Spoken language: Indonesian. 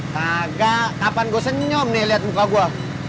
tidak kapan gue senyum nih liat muka gue